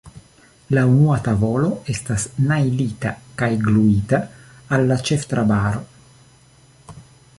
La unua tavolo estas najlita kaj gluita al la ĉeftrabaro.